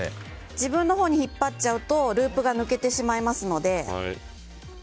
自分のほうに引っ張っちゃうとループが抜けてしまいますので。